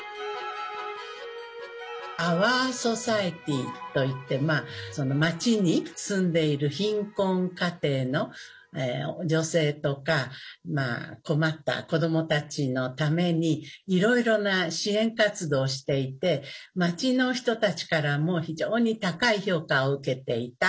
アワー・ソサエティといって町に住んでいる貧困家庭の女性とか困った子どもたちのためにいろいろな支援活動をしていて町の人たちからも非常に高い評価を受けていた。